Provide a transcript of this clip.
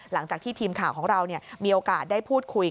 หลังจากที่ทีมข่าวของเรามีโอกาสได้พูดคุย